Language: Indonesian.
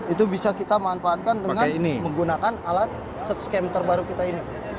itu bisa kita manfaatkan dengan menggunakan alat search scam terbaru kita ini